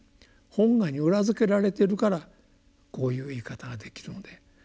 本願に裏付けられてるからこういう言い方ができるので。